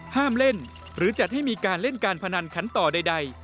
ห้ามเล่นหรือจัดให้มีการเล่นการพนันขันต่อใด